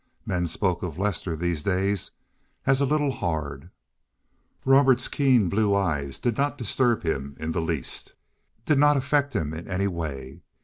Men spoke of Lester these days as a little hard. Robert's keen blue eyes did not disturb him in the least—did not affect him in any way.